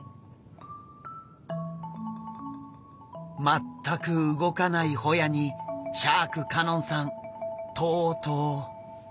全く動かないホヤにシャーク香音さんとうとう。